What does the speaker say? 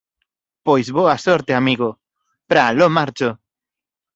Pois, boa sorte, amigo! Pra aló marcho!